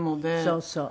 そうそう。